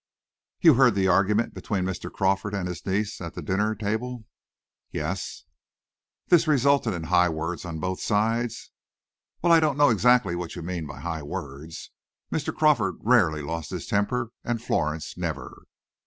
"You heard the argument between Mr. Crawford and his niece at the dinner table?" "Yes." "This resulted in high words on both sides?" "Well, I don't know exactly what you mean by high words. Mr. Crawford rarely lost his temper and Florence never."